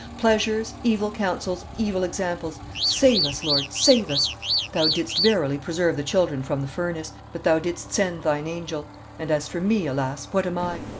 pleasures, evil counsels, evil examples! Save us, Lord! save us! Thou didst verily preserve the children from the furnace, but Thou didst send Thine angel; and, as for me, alas! what am I?